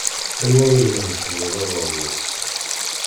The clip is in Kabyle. Anwa ara d-irefden aḍad-is?